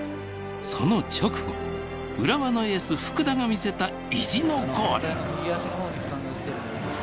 その直後浦和のエース福田が見せた意地のゴール。